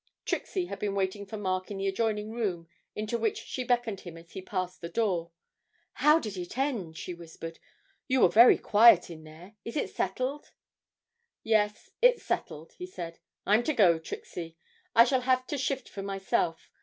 Trixie had been waiting for Mark in the adjoining room into which she beckoned him as he passed the door. 'How did it end?' she whispered. 'You were very quiet in there; is it settled?' 'Yes, it's settled,' he said, 'I'm to go, Trixie; I shall have to shift for myself.